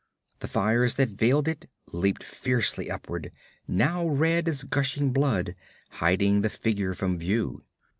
The fires that veiled it leaped fiercely upward, now red as gushing blood, hiding the figure from view.